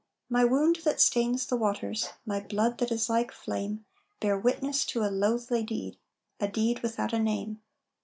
My wound that stains the waters, My blood that is like flame, Bear witness to a loathly deed, A deed without a name.